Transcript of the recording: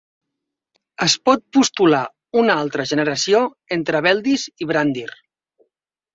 Es pot postular una altra generació entre Beldis i Brandir.